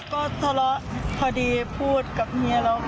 ก็ทะเลาะพอดีพูดกับเฮียแล้วค่ะ